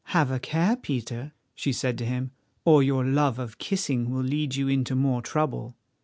"Have a care, Peter," she said to him, "or your love of kissing will lead you into more trouble."